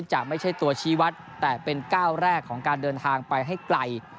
จะไม่ใช่ตัวชี้วัดแต่เป็นก้าวแรกของการเดินทางไปให้ไกล